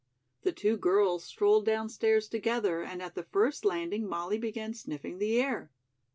The two girls strolled downstairs together and at the first landing Molly began sniffing the air.